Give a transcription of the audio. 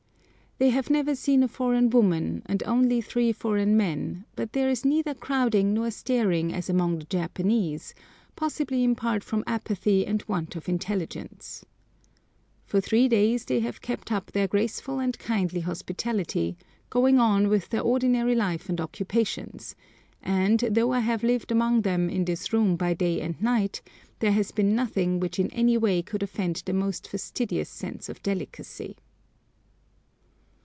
They have never seen a foreign woman, and only three foreign men, but there is neither crowding nor staring as among the Japanese, possibly in part from apathy and want of intelligence. For three days they have kept up their graceful and kindly hospitality, going on with their ordinary life and occupations, and, though I have lived among them in this room by day and night, there has been nothing which in any way could offend the most fastidious sense of delicacy.